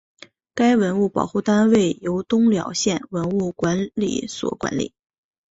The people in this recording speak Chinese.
该文物保护单位由东辽县文物管理所管理。